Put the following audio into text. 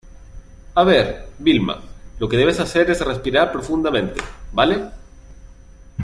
a ver, Vilma , lo que debes hacer es respirar profundamente ,¿ vale?